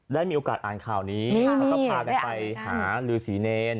ได้มีโอกาสอ่านข่าวนี้เขาก็พาแม่ไปหารือสีเน่น